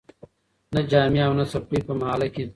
نه جامې او نه څپلۍ په محله کي